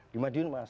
di madiun mas